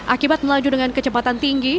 akibat melaju dengan kecepatan tinggi